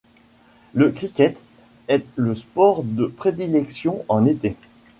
Le cricket est le sport de prédilection en été.